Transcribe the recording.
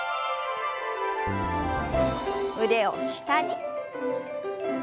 腕を下に。